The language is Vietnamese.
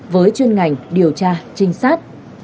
với chuyên ngành điều tra trinh sát